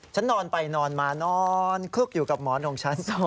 นอนไปนอนมานอนคลุกอยู่กับหมอนของฉัน